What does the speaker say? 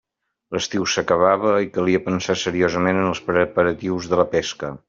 L'estiu s'acabava i calia pensar seriosament en els preparatius de la pesca.